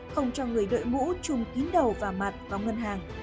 không cho người đội mũ chung kín đầu và mặt vào ngân hàng